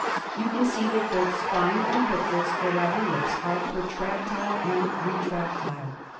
You can see that both spine and booklets, or rather lips, are protractile and retractile.